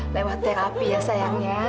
lewat terapi ya sayangnya